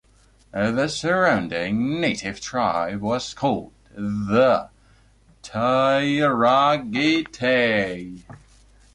The surrounding native tribe was called the Tyragetae.